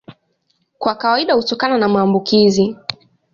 Kwa kawaida hutokana na maambukizi.